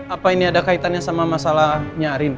apa ini ada kaitannya sama masalahnya arin